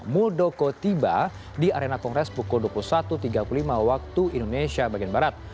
muldoko tiba di arena kongres pukul dua puluh satu tiga puluh lima waktu indonesia bagian barat